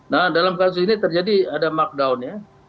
nah dalam kasus ini terjadi ada markdown ya